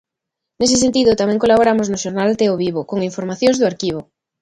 Nese sentido, tamén colaboramos no xornal Teovivo con informacións do arquivo.